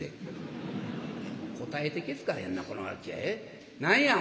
「答えてけつかれへんなこの。何や？